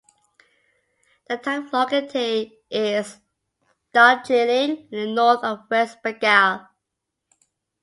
The type locality is Darjeeling in the north of West Bengal.